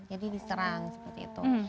jadi diserang seperti itu